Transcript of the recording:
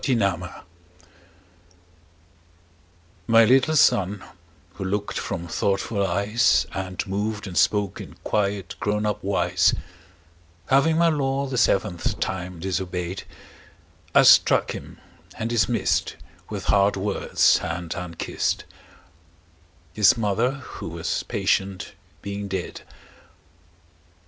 The Toys MY little Son, who look'd from thoughtful eyes And moved and spoke in quiet grown up wise, Having my law the seventh time disobey'd, I struck him, and dismiss'd With hard words and unkiss'd, 5 —His Mother, who was patient, being dead.